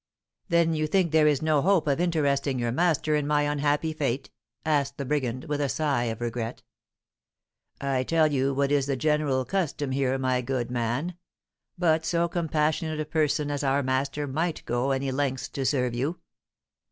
"Then you think there is no hope of interesting your master in my unhappy fate?" asked the brigand, with a sigh of regret. "I tell you what is the general custom here, my good man; but so compassionate a person as our master might go any lengths to serve you."